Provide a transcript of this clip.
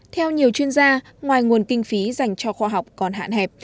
theo nhiều chuyên gia ngoài nguồn kinh phí dành cho khoa học còn hạn hẹp